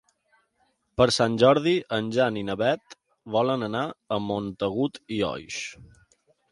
Per Sant Jordi en Jan i na Beth volen anar a Montagut i Oix.